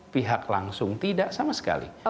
pihak langsung tidak sama sekali